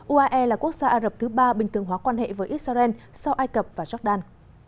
uae là quốc gia ả rập thứ ba bình thường hóa quan hệ với israel sau ai cập và jordan